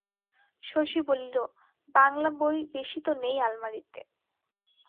শশী বলিল, বাঙলা বই বেশি তো নেই আলমারিতে।